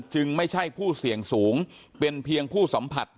ไม่ใช่ผู้เสี่ยงสูงเป็นเพียงผู้สัมผัส